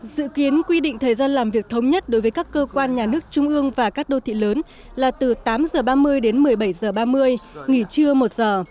dự kiến quy định thời gian làm việc thống nhất đối với các cơ quan nhà nước trung ương và các đô thị lớn là từ tám h ba mươi đến một mươi bảy h ba mươi nghỉ trưa một giờ